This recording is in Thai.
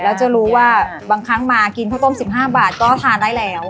แล้วจะรู้ว่าบางครั้งมากินข้าวต้ม๑๕บาทก็ทานได้แล้ว